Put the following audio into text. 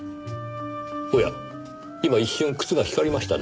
おや今一瞬靴が光りましたね。